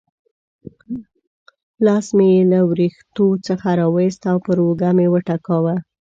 لاس مې یې له وریښتو څخه را وایست او پر اوږه مې وټکاوه.